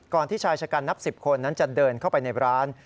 ที่ชายชะกันนับ๑๐คนนั้นจะเดินเข้าไปในร้าน